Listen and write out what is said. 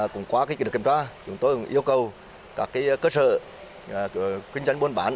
cũng qua kinh doanh kiểm tra chúng tôi yêu cầu các cơ sở của kinh doanh buôn bán